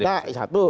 tidak itu satu